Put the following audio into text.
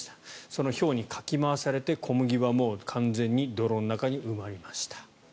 そのひょうにかき回されて小麦は完全に泥の中に埋まりました。